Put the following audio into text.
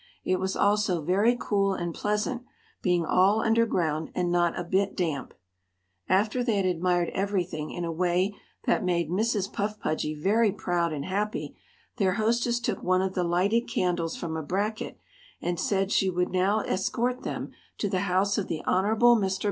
It was also very cool and pleasant, being all underground and not a bit damp. After they had admired everything in a way that made Mrs. Puff Pudgy very proud and happy, their hostess took one of the lighted candles from a bracket and said she would now escort them to the house of the Honorable Mr. Bowko, the Mayor.